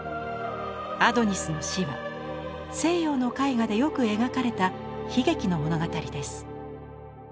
「アドニスの死」は西洋の絵画でよく描かれた悲劇の物語です。